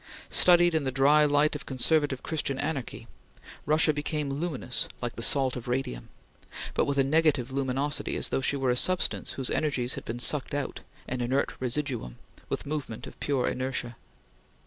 Studied in the dry light of conservative Christian anarchy, Russia became luminous like the salt of radium; but with a negative luminosity as though she were a substance whose energies had been sucked out an inert residuum with movement of pure inertia.